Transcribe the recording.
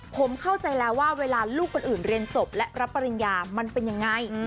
ผมเข้าใจแล้วว่าเวลาลูกคนอื่นเรียนจบและรับปริญญามันเป็นยังไง